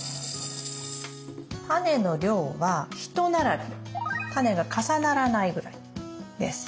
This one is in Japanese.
タネの量は一並びタネが重ならないぐらいです。